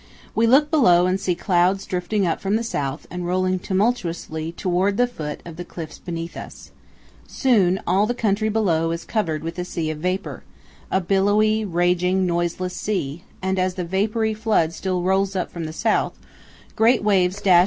We look below and see clouds drifting up from the south and rolling tumultuously toward the foot of the cliffs beneath us. Soon all the country below is covered with a sea of vapor a billowy, raging, noiseless sea and as the vapory flood still rolls up from the south, great waves dash against the powell canyons 181.